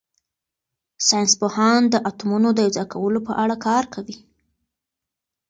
ساینس پوهان د اتومونو د یوځای کولو په اړه کار کوي.